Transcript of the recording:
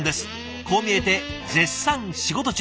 こう見えて絶賛仕事中。